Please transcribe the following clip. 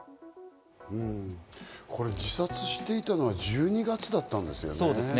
これ、自殺していたのは１２月だったんですね。